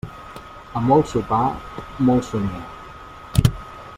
A molt sopar, molt somniar.